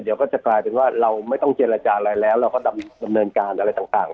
เดี๋ยวก็จะกลายเป็นว่าเราไม่ต้องเจรจาอะไรแล้วเราก็ดำเนินการอะไรต่าง